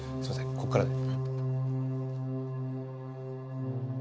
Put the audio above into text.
ここからで。